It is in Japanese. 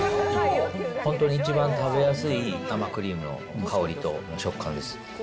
本当に一番食べやすい生クリームの香りと食感です。